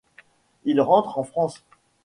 Ils rentrent en France.